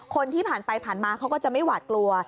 คนที่ผ่านไปผ่านมาเขาก็จะไม่หวาดกลัว